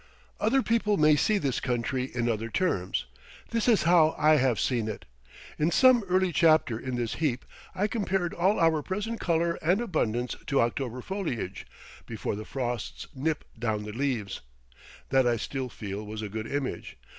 Other people may see this country in other terms; this is how I have seen it. In some early chapter in this heap I compared all our present colour and abundance to October foliage before the frosts nip down the leaves. That I still feel was a good image.